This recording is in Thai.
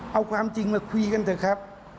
เอาความจริงมาคุยกันเถอะครับ